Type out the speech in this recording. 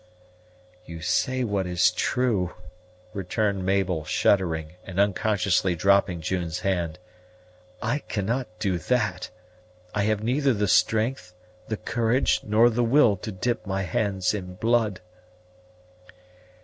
"You say what is true," returned Mabel, shuddering, and unconsciously dropping June's hand. "I cannot do that. I have neither the strength, the courage, nor the will to dip my hands in blood."